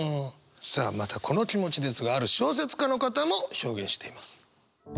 さあまたこの気持ちですがある小説家の方も表現しています。